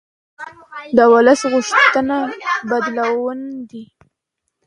د ولس غوښتنه بدلون وي